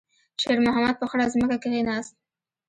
شېرمحمد په خړه ځمکه کېناست.